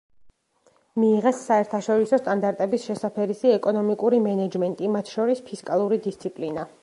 მიიღეს საერთაშორისო სტანდარტების შესაფერისი ეკონომიკური მენეჯმენტი, მათ შორის ფისკალური დისციპლინა.